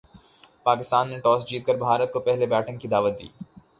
پاکستان نے ٹاس جیت کر بھارت کو پہلے بیٹنگ کی دعوت دی۔